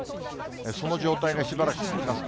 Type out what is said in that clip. その状態がしばらく続きます。